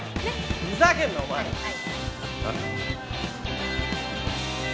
ふざけんなお前らえっ？